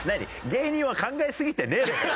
芸人は考えすぎてねえのかよ？